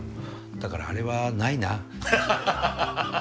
だからあれはないな。